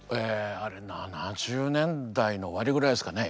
あれ７０年代の終わりぐらいですかね